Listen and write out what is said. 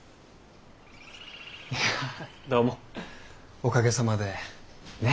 いやどうもおかげさまでねぇ。